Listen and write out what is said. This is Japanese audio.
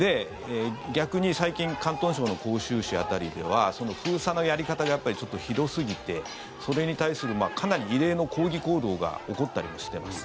逆に最近広東省の広州市辺りではその封鎖のやり方がひどすぎてそれに対するかなり異例の抗議行動が起こったりもしています。